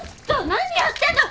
何やってんの！？